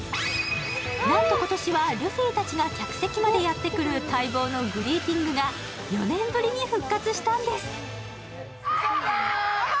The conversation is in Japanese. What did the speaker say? なんと今年はルフィたちが客席までやってくる待望のグリーティングが４年ぶりに復活したんです。